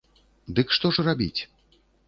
Дык што ж рабіць?